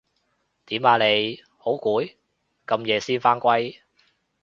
點啊你？好攰？咁夜先返歸